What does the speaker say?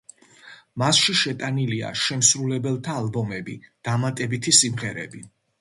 მასში შეტანილია შემსრულებელთა ალბომები, დამატებითი სიმღერები.